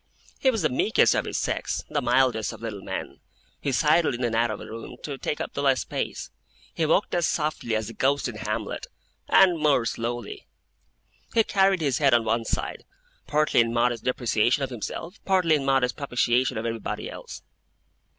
He was the meekest of his sex, the mildest of little men. He sidled in and out of a room, to take up the less space. He walked as softly as the Ghost in Hamlet, and more slowly. He carried his head on one side, partly in modest depreciation of himself, partly in modest propitiation of everybody else.